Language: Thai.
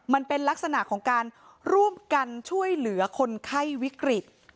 มันเป็นลักษณะของการร่วมกันช่วยเหลือคนไข้วิกฤต